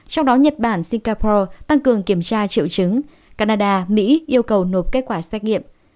trong đó nhật bản singapore tăng cường kiểm tra triệu chứng canada mỹ yêu cầu nộp kết quả xét nghiệm